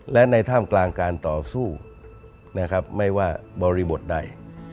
และในท่ามกลางการต่อสู้นะครับไม่ว่าบริบทใด